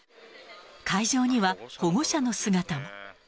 会場には、保護者の姿も。